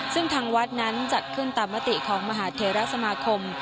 ซึ่งทางวัดนั้นจัดขึ้นตามมติของมหาเทราสมาคม